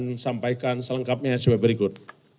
menyampaikan selengkapnya sebagai berikut